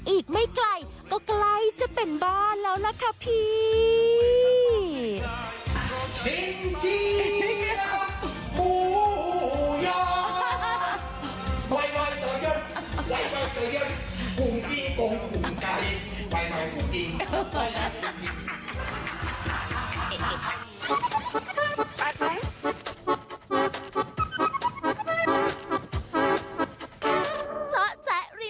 อีกไม่ไกลก็ใกล้จะเป็นบ้านแล้วนะคะพี่